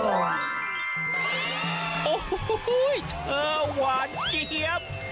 โอ้โหเธอหวานเจี๊ยบ